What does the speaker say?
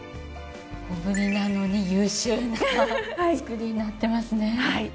小ぶりなのに優秀な作りになってますね。